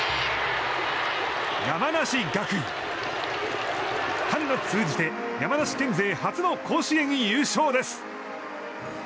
山梨学院、春夏通じて山梨県勢初の甲子園優勝です。